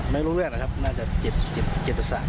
ไม่รู้เรื่องนะครับน่าจะเจ็บจิตประสาท